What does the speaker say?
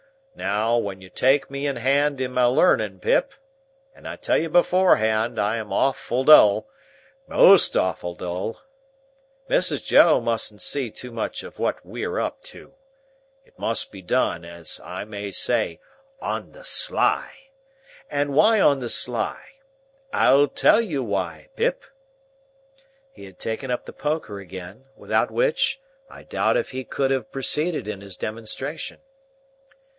Now, when you take me in hand in my learning, Pip (and I tell you beforehand I am awful dull, most awful dull), Mrs. Joe mustn't see too much of what we're up to. It must be done, as I may say, on the sly. And why on the sly? I'll tell you why, Pip." He had taken up the poker again; without which, I doubt if he could have proceeded in his demonstration.